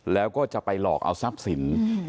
แล้วก็จะไปหลอกเอาทรัพย์สิน